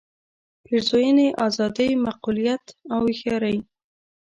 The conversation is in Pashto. پېرزوینې آزادۍ معقولیت او هوښیارۍ.